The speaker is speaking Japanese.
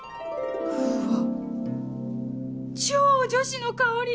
うわ超女子の香り！